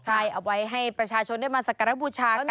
ใช่เอาไว้ให้ประชาชนได้มาสกระบุชากันนะคะ